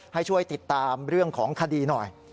ให้ช่วยติดตามเรื่องของคดีหน่อย